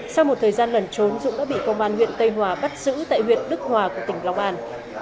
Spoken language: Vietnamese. sau một thời gian lẩn trốn dũng đã bị công an huyện tây hòa bắt giữ tại huyện đức hòa của tỉnh long an